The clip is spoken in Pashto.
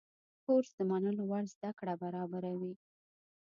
کورس د منلو وړ زده کړه برابروي.